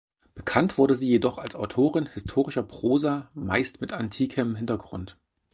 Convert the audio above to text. Bekannt wurde sie jedoch als Autorin historischer Prosa, meist mit antikem Hintergrund.